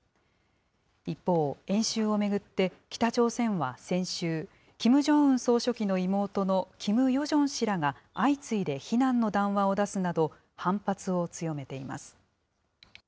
一方、演習を巡って、北朝鮮は先週、キム・ジョンウン総書記の妹のキム・ヨジョン氏らが、相次いで非難の談話を出すなど、反発を強めています。